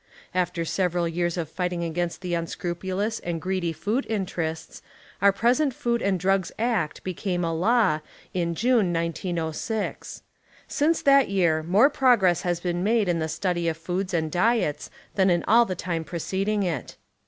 After several years of fight ing against the unscrupulous and greedy food interests, our pres ent Food and Drugs Act became a law, in June, 1906. Since that year more progi ess has been made in the study of foods and diets than in all the time preceding it.